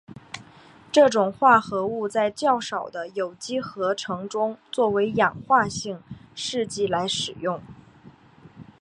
这种化合物在较少的有机合成中作为氧化性试剂来使用。